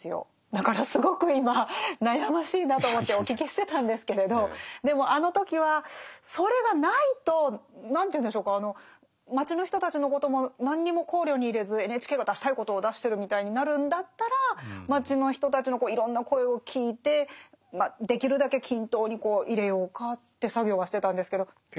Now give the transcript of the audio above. だからすごく今悩ましいなと思ってお聞きしてたんですけれどでもあの時はそれがないと何というんでしょうか街の人たちのことも何にも考慮に入れずＮＨＫが出したいことを出してるみたいになるんだったら街の人たちのいろんな声を聞いてできるだけ均等に入れようかって作業はしてたんですけど。